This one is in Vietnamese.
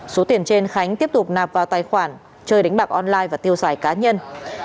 số tiền trên khánh tiếp tục nạp vào tài khoản chơi đánh bạc online và tiêu xài cá nhân